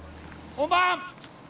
・本番！